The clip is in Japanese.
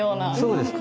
そうです。